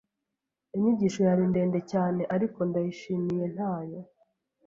Inyigisho yari ndende cyane, ariko ndayishimiye ntayo.